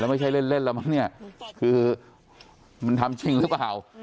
ไม่ใช่เล่นเล่นแล้วมั้งเนี่ยคือมันทำจริงหรือเปล่า